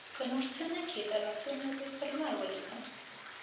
که نورڅه نه کیده، لاسونه به پر لمر ولیکم